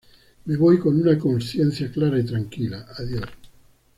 Me voy con una consciencia clara y tranquila, adiós".